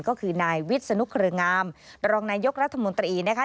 ก็คือนายวิศนุเครืองามรองนายกรัฐมนตรีนะคะ